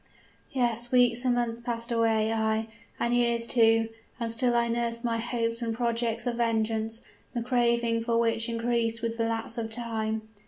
"Yes, weeks and months passed away, ay, and years, too, and still I nursed my hopes and projects of vengeance, the craving for which increased with the lapse of time.